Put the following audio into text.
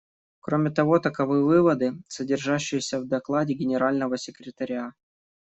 Кроме того, таковы выводы, содержащиеся в докладе Генерального секретаря.